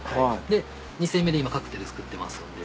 で２煎目で今カクテル作ってますので。